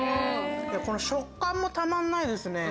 食感もたまんないですね。